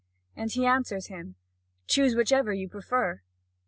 And he answers him: "Choose whichever you prefer."